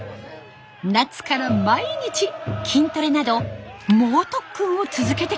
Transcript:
夏から毎日筋トレなど猛特訓を続けてきました。